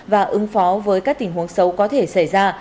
và ứng phó với các tình huống xấu có thể xảy ra